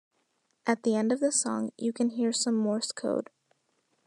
At the end of the song, you can hear some Morse code.